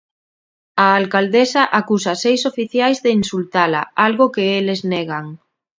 A alcaldesa acusa seis oficiais de insultala, algo que eles negan.